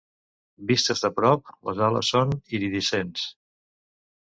Vistes de prop, les ales són iridescents.